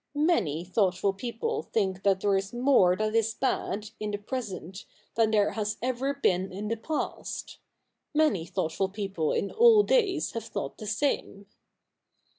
Many thoughtful people think that there is more that is bad in the present than there has ever been in the past. Many thoughtful people in all days have thought the same.'